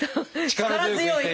力強い！